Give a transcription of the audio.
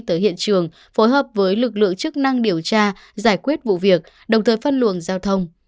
tới hiện trường phối hợp với lực lượng chức năng điều tra giải quyết vụ việc đồng thời phân luồng giao thông